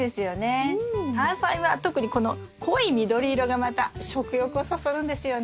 タアサイは特にこの濃い緑色がまた食欲をそそるんですよね。